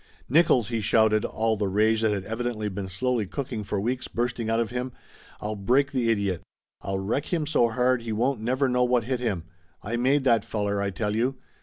"Nickolls!" he shouted, all the rage that had evi dently been slowly cooking for weeks bursting out of him. "I'll break the idiot ! I'll wreck him so hard he won't never know what hit him ! I made that feller, I tell you.